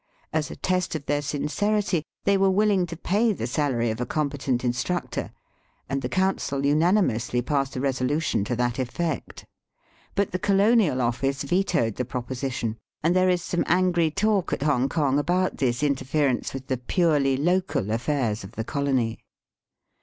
As a test of their sincerity, they were willing to pay the salary of a competent instructor, and the Digitized by VjOOQIC THE GIBBALTAB OP THE EAST. 119 Council unanimously passed a resolution to that effect. But the Colonial Office vetoed the proposition, aind there is some angry talk at Hongkong about this interference with the purely local affairs of the colony.